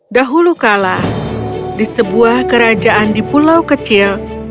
dahulu kala di sebuah kerajaan di pulau kecil